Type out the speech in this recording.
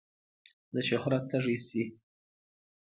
د شهرت تږی شي.